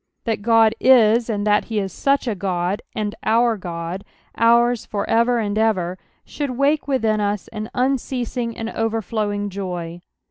That God is, and that he is such a God, and our God, ours for ever and ever, should wake withia us an unceasing and overflowing joj.